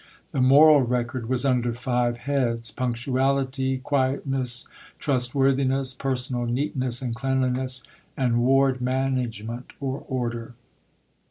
The Moral Record was under five heads: punctuality, quietness, trustworthiness, personal neatness and cleanliness, and ward management (or order).